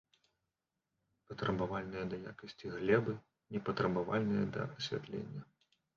Патрабавальная да якасці глебы, не патрабавальная да асвятлення.